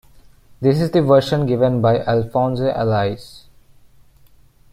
This is the version given by Alphonse Allais.